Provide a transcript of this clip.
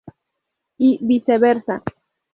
Y viceversa.